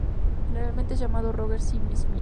Generalmente es llamado Roger C. Smith.